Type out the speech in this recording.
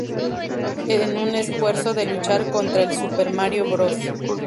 En un esfuerzo de luchar contra el "Super Mario Bros.